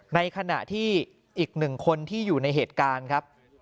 ในขณะที่อีกหนึ่งคนที่อยู่ในเหตุการณ์ครับ